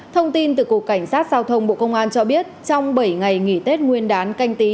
thông tin từ cục cảnh sát giao thông bộ công an cho biết trong bảy ngày nghỉ tết nguyên đán canh tí hai nghìn hai mươi